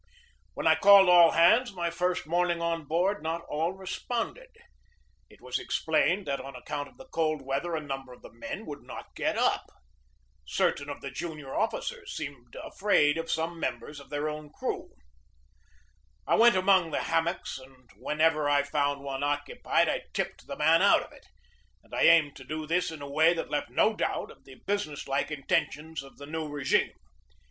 When I called all hands my first morning on board, not all responded. It was explained that on account of the cold weather a number of the men would not get up. Certain of the junior officers seemed afraid of some members of their own crew. I went among the hammocks, and whenever I found one occupied I tipped the man out of it; and I aimed to do this in a way that left no doubt of the business like intentions of the new regime.